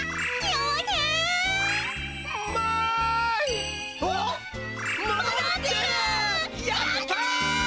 やった！